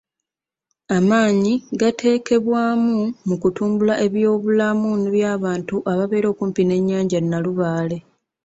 Amaanyi gateekebwamu mu kutumbula eby'obulamu by'abantu ababeera okumpi n'ennyanja Nalubaale.